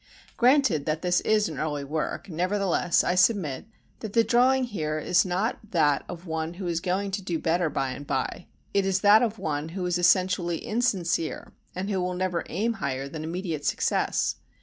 Granted that this is an early work, nevertheless I submit that the drawing here is not that of one who is going to do better by and by, it is that of one who is essentially insincere and who will never aim higher than immediate success.